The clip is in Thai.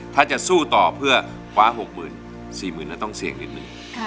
ถ้าจะสู้ต่อเพื่อกว้าหกหมื่นสี่หมื่นก็ต้องเสี่ยงหนึ่ง